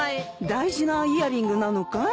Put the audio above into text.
大事なイヤリングなのかい？